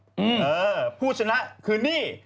อืมพูดชั้นแล้วคือนี่